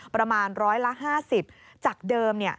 ประมาณร้อยละ๕๐จากเดิม